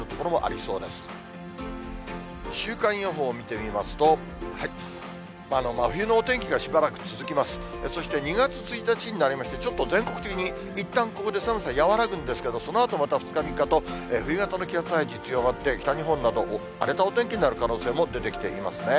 そして２月１日になりまして、ちょっと全国的にいったんここで寒さ、和らぐんですけど、そのあとまた、２日、３日と冬型の気圧配置強まって、北日本など荒れたお天気になる可能性も出てきていますね。